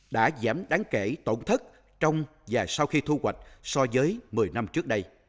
đã giảm đáng kể tổn thất trong và sau khi thu hoạch so với một mươi năm trước đây